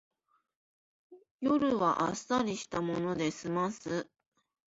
夜はあっさりしたもので済ます